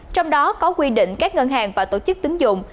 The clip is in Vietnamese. trong đó có quy định các ngân hàng và tổ chức tính dụng